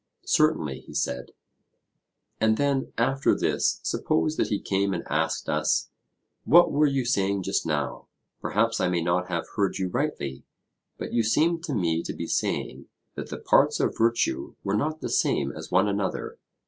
Certainly, he said. And then after this suppose that he came and asked us, 'What were you saying just now? Perhaps I may not have heard you rightly, but you seemed to me to be saying that the parts of virtue were not the same as one another.'